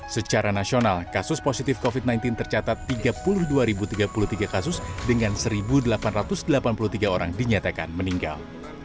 secara nasional kasus positif covid sembilan belas tercatat tiga puluh dua tiga puluh tiga kasus dengan satu delapan ratus delapan puluh tiga orang dinyatakan meninggal